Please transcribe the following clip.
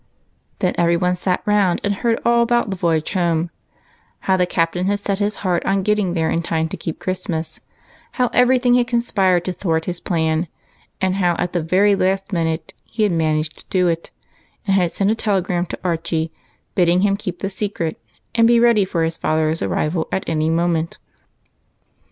Then every one sat round and heard all about the voyage home, — how the CajDtain had set his heart on getting there in time to keep Christmas ; how every thing had conspired to thwart his plan ; and how, at the very last minute, he had managed to do it, and had sent a telegram to Archie, bidding him keep the secret, and be ready for his father at any moment, for the ship got into another port, and he might be late.